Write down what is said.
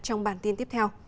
trong bản tin tiếp theo